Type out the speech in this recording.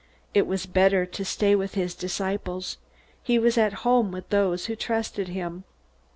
It was better to stay with his disciples. He was at home with those who trusted him.